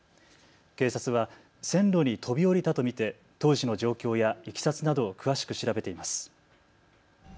警察は線路に飛び降りたと見て当時の状況やいきさつなどを詳しく調べています。